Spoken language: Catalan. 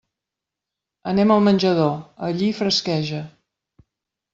Anem al menjador; allí fresqueja.